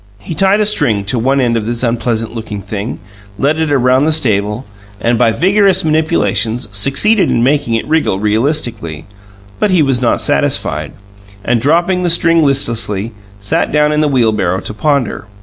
He tied a string to one end of this unpleasant looking thing, led it around the stable, and, by vigorous manipulations, succeeded in making it wriggle realistically; but he was not satisfied, and, dropping the string listlessly, sat down in the wheelbarrow to ponder.